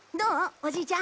おじいちゃん。